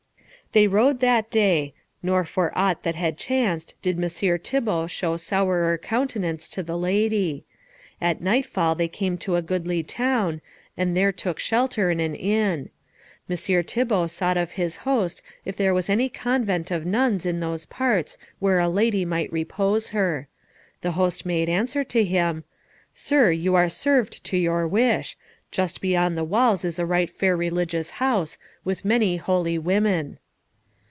They rode that day, nor for aught that had chanced did Messire Thibault show sourer countenance to the lady. At nightfall they came to a goodly town, and there took shelter in an inn. Messire Thibault sought of his host if there was any convent of nuns in those parts where a lady might repose her. The host made answer to him, "Sir, you are served to your wish. Just beyond the walls is a right fair religious house, with many holy women."